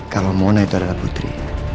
kalau mona itu adalah putri